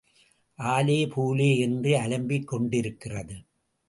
ஆலே பூலே என்று அலம்பிக் கொண்டிருக்கிறது.